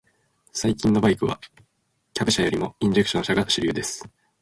最近のバイクは、キャブ車よりもインジェクション車が主流です。